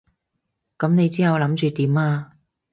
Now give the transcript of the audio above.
噉你之後諗住點啊？